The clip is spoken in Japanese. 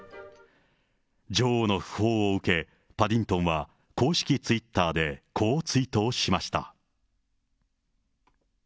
女王のふ報を受け、パディントンは公式ツイッターで、こう追悼しました。